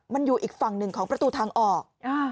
มันอยู่อีกฝั่งหนึ่งของประตูทางออก